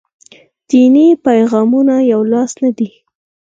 دیني پیغامونه یولاس نه دي.